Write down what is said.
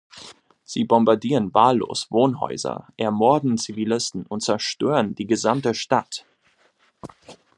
Sie bombardieren wahllos Wohnhäuser, ermorden Zivilisten und zerstören die gesamte Stadt.